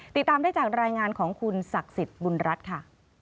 ติดตามได้จากรายงานของคุณศักดิ์สิทธิ์บุญรัฐค่ะ